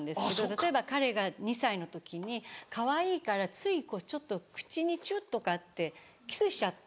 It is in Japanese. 例えば彼が２歳の時にかわいいからついちょっと口にチュっとかってキスしちゃった。